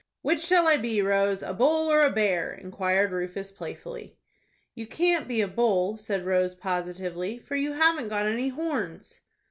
"Which shall I be, Rose, a bull or a bear?" inquired Rufus, playfully. "You can't be a bull," said Rose, positively, "for you haven't got any horns."